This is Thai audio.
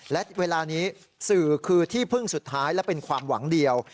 และเวลานี้สื่อคือที่พึ่งสุดท้ายและเป็นความหวังเดียว